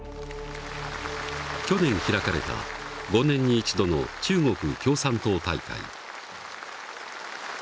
去年開かれた５年に一度の中国共産党大会。